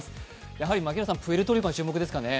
やはりプエルトリコが注目ですかね。